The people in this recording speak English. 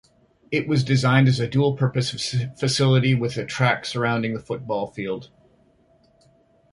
It was designed as a dual-purpose facility with a track surrounding the football field.